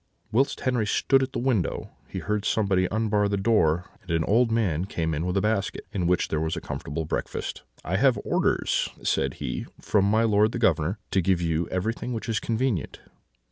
"Whilst Henri stood at the window, he heard someone unbar the door; and an old man came in with a basket, in which was a comfortable breakfast. "'I have orders,' said he, 'from my lord the Governor, to give you everything which is convenient.'